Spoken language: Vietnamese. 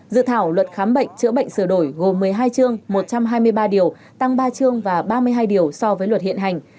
dự thảo luật khám bệnh chữa bệnh sửa đổi gồm một mươi hai chương một trăm hai mươi ba điều tăng ba chương và ba mươi hai điều so với luật hiện hành